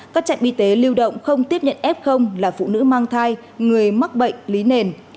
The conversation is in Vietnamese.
các trạm y tế lưu động không tiếp nhận f là phụ nữ mang thai người mắc bệnh lý nền